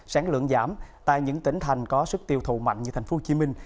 sản lượng giảm tại những tỉnh thành có sức tiêu thụ mạnh như thành phố hồ chí minh